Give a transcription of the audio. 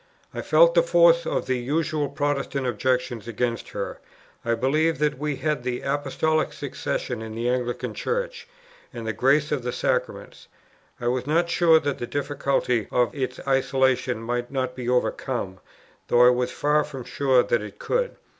I felt the force of the usual Protestant objections against her; I believed that we had the Apostolical succession in the Anglican Church, and the grace of the sacraments; I was not sure that the difficulty of its isolation might not be overcome, though I was far from sure that it could.